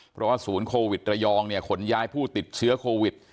เพราะว่าศูนย์โควิดระยองเนี่ยขนย้ายผู้ติดเชื้อโควิด